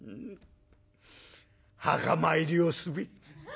墓参りをすべ。